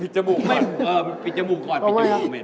ปิดจมูกก่อนปิดจมูกเหม็น